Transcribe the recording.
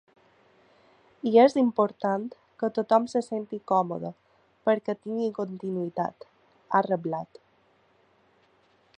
I és important que tothom se senti còmode perquè tingui continuïtat, ha reblat.